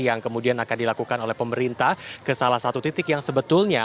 yang kemudian akan dilakukan oleh pemerintah ke salah satu titik yang sebetulnya